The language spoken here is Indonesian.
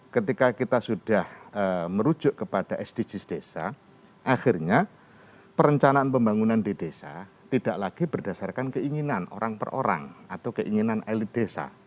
ketika kita sudah merujuk kepada sdgs desa akhirnya perencanaan pembangunan di desa tidak lagi berdasarkan keinginan orang per orang atau keinginan elit desa